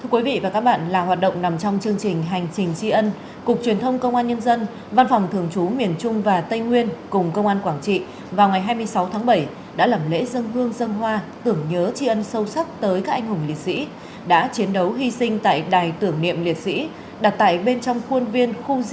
quý vị và các bạn là hoạt động nằm trong chương trình hành trình chi ân cục truyền thông công an nhân dân văn phòng thường trú miền trung và tây nguyên cùng công an quảng trị vào ngày hai mươi sáu tháng bảy đã làm lễ dân hương dân hoa tưởng nhớ tri ân sâu sắc tới các anh hùng liệt sĩ đã chiến đấu hy sinh tại đài tưởng niệm liệt sĩ đặt tại bên trong khuôn viên khu di tích